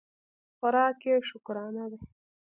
خوراک یې شکرانه ده.